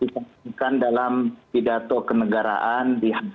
dikasihkan dalam pidato kenegaraan